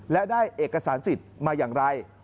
และได้เอกสารสิทธิ์มาอย่างไร